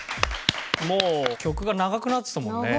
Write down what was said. もう曲が長くなってたもんね。